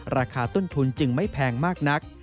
ราคาต้นทุนจึงไม่แพงมากนัก